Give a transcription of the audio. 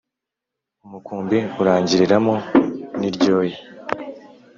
Umukumbi urangiriramo n’iryoya.